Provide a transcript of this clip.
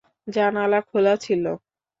জানালা খোলা ছিল।